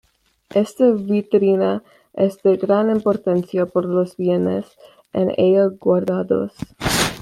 Esta vitrina es de gran importancia por los bienes en ella guardados.